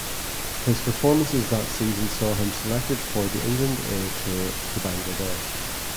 His performances that season saw him selected for the England A tour to Bangladesh.